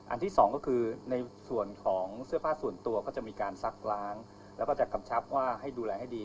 ที่สองก็คือในส่วนของเสื้อผ้าส่วนตัวก็จะมีการซักล้างแล้วก็จะกำชับว่าให้ดูแลให้ดี